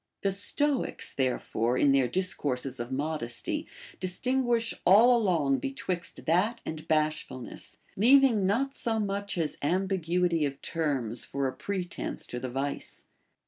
The Stoics, there fore, in their discourses of modesty, distinguish all along betwixt that and bashfulness, leaving not so much as ambiguity of terms for a pretence to the vice.